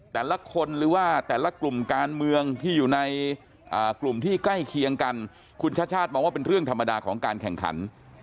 แต่ละคนหรือว่าแต่ละกลุ่มการเมืองที่อยู่ในกลุ่มที่ใกล้เคียงกัน